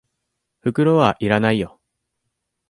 袋は要らないよ。